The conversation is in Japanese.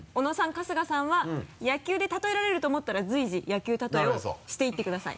春日さんは野球で例えられると思ったら随時野球例えをしていってください。